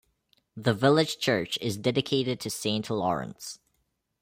The village church is dedicated to Saint Lawrence.